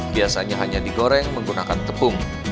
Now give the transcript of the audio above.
biasanya hanya digoreng menggunakan tepung